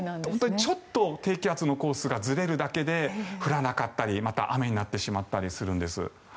本当にちょっと低気圧のコースがずれるだけで降らなかったり、雨になってしまったりするんです。